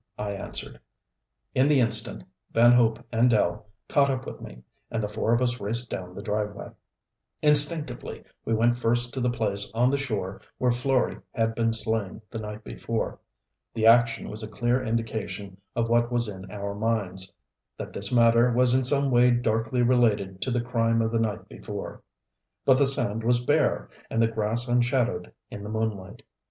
I answered. In the instant Van Hope and Dell caught up with me, and the four of us raced down the driveway. Instinctively we went first to the place on the shore where Florey had been slain the night before. The action was a clear indication of what was in our minds that this matter was in some way darkly related to the crime of the night before. But the sand was bare, and the grass unshadowed in the moonlight.